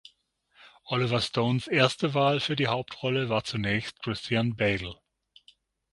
Oliver Stones erste Wahl für die Hauptrolle war zunächst Christian Bale.